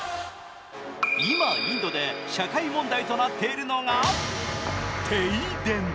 今インドで社会問題となっているのが停電。